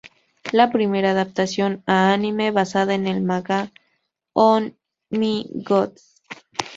La primera adaptación a anime basada en el manga "Oh My Goddess!